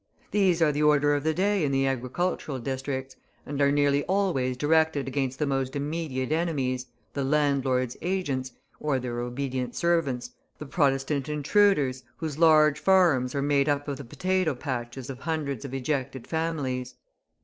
These are the order of the day in the agricultural districts, and are nearly always directed against the most immediate enemies, the landlord's agents, or their obedient servants, the Protestant intruders, whose large farms are made up of the potato patches of hundreds of ejected families.